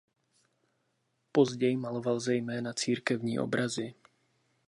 Později maloval zejména církevní obrazy.